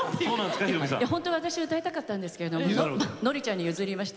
本当は私歌いたかったんですけどノリちゃんに譲りました。